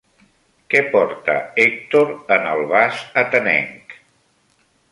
Què porta Hèctor en el vas atenenc?